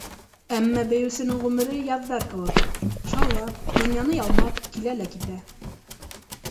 Әммә... бейеүсенең ғүмере - яҙҙар кеүек, шаулап, донъяны ялмап килә лә китә.